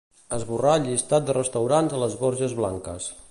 Esborrar el llistat de restaurants a les Borges Blanques.